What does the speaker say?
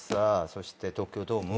そして東京ドーム。